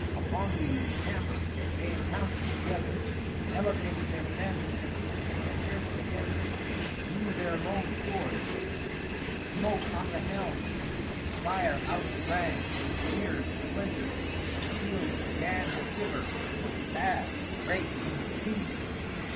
Upon the Tambre they encountered together; elevated their standards; advanced together; drew their long swords; smote on the helms; fire outsprang; spears splintered; shields 'gan shiver; shafts brake in pieces.